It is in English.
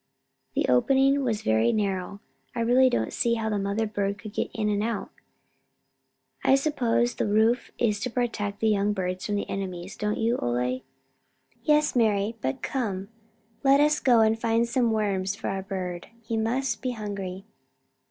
The opening was very narrow; I really don't see how the mother bird could get in and out." "I suppose the roof is to protect the young birds from enemies, don't you, Ole?" "Yes, Mari; but come, let us go and find some worms for our bird. He must be hungry."